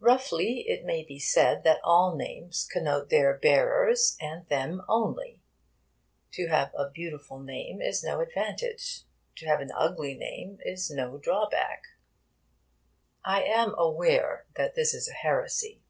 Roughly, it may be said that all names connote their bearers, and them only. To have a 'beautiful' name is no advantage. To have an 'ugly' name is no drawback. I am aware that this is a heresy.